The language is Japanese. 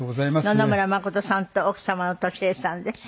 野々村真さんと奥様の俊恵さんです。